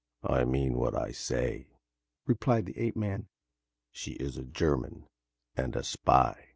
"I mean what I say," replied the ape man. "She is a German and a spy."